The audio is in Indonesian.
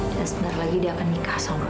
dan sebentar lagi dia akan nikah sama bapak